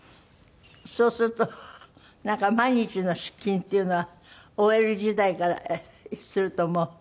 そうするとなんか毎日の出勤っていうのはＯＬ時代からするともう。